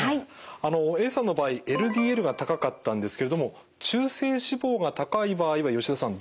あのＡさんの場合ＬＤＬが高かったんですけれども中性脂肪が高い場合は吉田さん